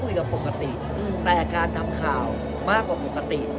เขาคุยกันก็คุยกับปกติแต่การทำข่าวมากกว่าปกติ